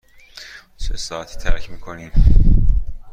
چه ساعتی ترک می کنیم؟